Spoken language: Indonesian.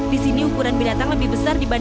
di sini ukuran binatang lebih besar dari bawah